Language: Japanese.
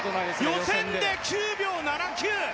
予選で９秒７９！